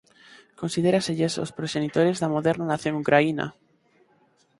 Considéraselles os proxenitores da moderna nación ucraína.